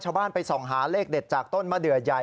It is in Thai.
ไปส่องหาเลขเด็ดจากต้นมะเดือใหญ่